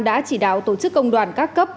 đã chỉ đáo tổ chức công đoàn các cấp